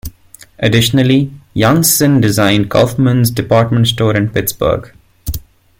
Additionally, Janssen designed Kaufmann's Department Store in Pittsburgh.